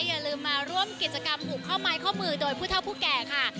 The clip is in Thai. อย่าลืมมาร่วมกิจกรรมผูกข้อไม้ข้อมือโดยผู้เท่าผู้แก่ค่ะ